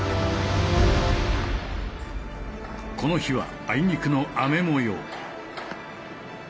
この日はあいにくの雨もよう。